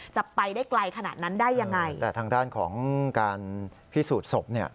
จะไปได้ไกลขนาดนั้นได้ยังไงแต่ทางด้านของการพิสูจน์ศพเนี่ย